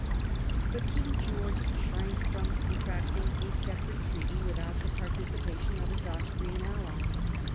But King George shrank from contracting a separate treaty without the participation of his Austrian ally.